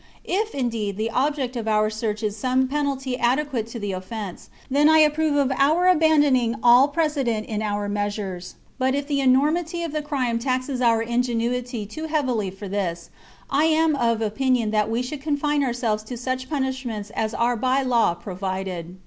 If, indeed, the object of our search is some penalty adequate to the offence, then I approve of our abandoning all pre cedent in our measures; but if the enormity of the crime taxes our ingenuity too heavily for this, I am of opinion that we should confine ourselves to such THE CONSPIRACY OF CATILINE. 45 punishments as are by law provided.